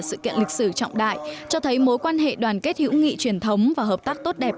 sự kiện lịch sử trọng đại cho thấy mối quan hệ đoàn kết hữu nghị truyền thống và hợp tác tốt đẹp